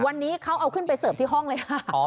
วันนี้เขาเอาขึ้นไปเสิร์ฟที่ห้องเลยค่ะ